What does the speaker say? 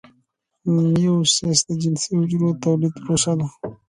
میوسیس د جنسي حجرو د تولید پروسه ده